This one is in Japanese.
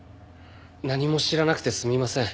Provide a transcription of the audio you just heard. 何も知らなくてすみません。